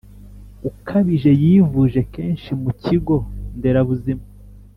ukabije yivuje kenshi mu kigo ndera buzima